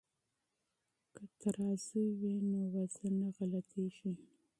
که ترازوی وي نو وزن نه غلطیږي.